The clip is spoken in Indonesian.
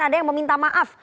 ada yang meminta maaf